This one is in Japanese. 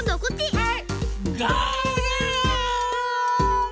はい。